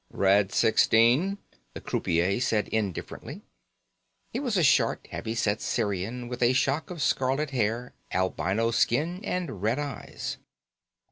"Red sixteen," the croupier said indifferently. He was a short, heavy set Sirian with a shock of scarlet hair, albino skin, and red eyes.